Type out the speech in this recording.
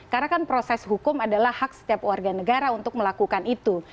karena kan proses hukum adalah hak setiap warga negara untuk melakukan itu